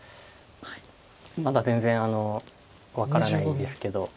まだ全然分からないですけど。